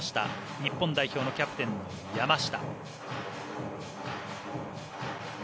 日本代表のキャプテン、山下。